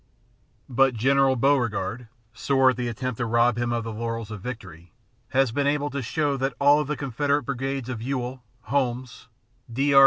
But General Beauregard, sore at the attempt to rob him of the laurels of victory, has been able to show that all of the Confederate brigades of Ewell, Holmes, D. R.